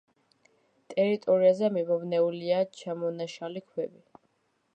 ტერიტორიაზე მიმობნეულია ჩამონაშალი ქვები.